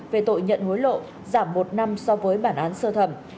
về tội nhận hối lộ giảm một năm so với bản án sơ thẩm